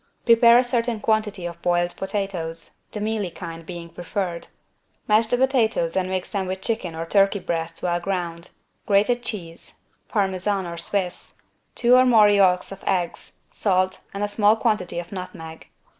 Prepare a certain quantity of boiled potatoes, the mealy kind being preferred. Mash the potatoes and mix them with chicken or turkey breast well ground, grated cheese (Parmesan or Swiss), two or more yolks of eggs, salt and a small quantity of nutmeg.